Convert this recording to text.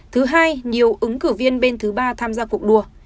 thứ hai nhiều ứng cử viên bên thứ ba tham gia cuộc đua